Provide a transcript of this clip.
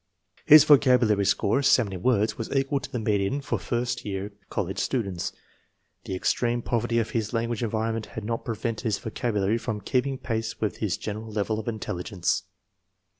His vocabulary score (70 words) was equal to the median for first year college students. The extreme poverty of his language environment had not prevented his vocabulary from keeping pace with his general level of intelligence.